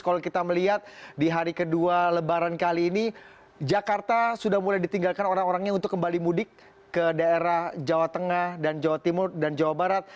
kalau kita melihat di hari kedua lebaran kali ini jakarta sudah mulai ditinggalkan orang orangnya untuk kembali mudik ke daerah jawa tengah dan jawa timur dan jawa barat